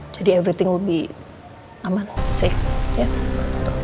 jadi everything lebih aman safe